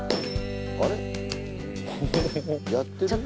あれ？